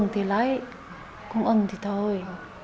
ứng thì lấy không ứng thì thôi